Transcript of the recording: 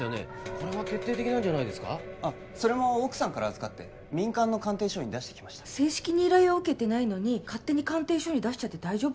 これは決定的なんじゃそれも奥さんから預かって民間の鑑定所に出してきました正式に依頼を受けてないのに勝手に鑑定所に出して大丈夫？